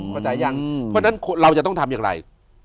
เพราะฉะนั้นเราจะต้องทำอย่างไร